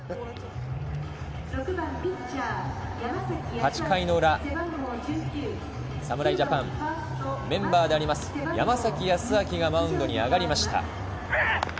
８回の裏、侍ジャパンのメンバーである山崎康晃がマウンドに上がりました。